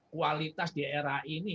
kualitas di era ini